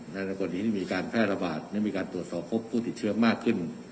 ในกรณีที่มีการแพร่ระบาดได้มีการตรวจสอบพบผู้ติดเชื้อมากขึ้น